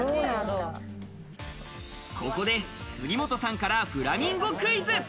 ここで杉本さんからフラミンゴクイズ。